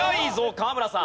河村さん。